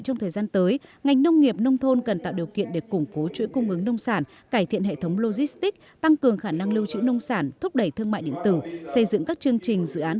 trong thời gian tới ngành nông nghiệp nông thôn cần tạo điều kiện để củng cố chuỗi cung ứng nông sản